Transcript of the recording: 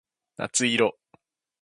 夏色